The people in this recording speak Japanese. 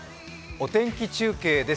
お天気中継です。